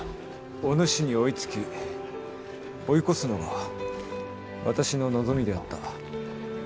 お主に追いつき追い越すのが私の望みであった。